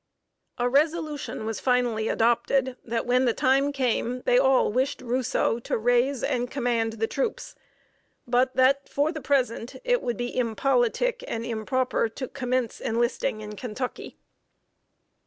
A resolution was finally adopted that, when the time came, they all wished Rousseau to raise and command the troops, but that, for the present, it would be impolitic and improper to commence enlisting in Kentucky.